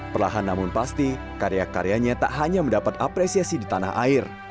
perlahan namun pasti karya karyanya tak hanya mendapat apresiasi di tanah air